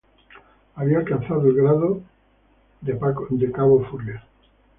Había alcanzado el Grado de General de División.